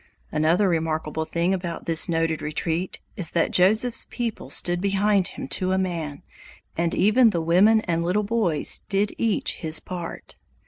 Another remarkable thing about this noted retreat is that Joseph's people stood behind him to a man, and even the women and little boys did each his part.